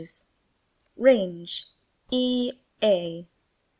Range e a''.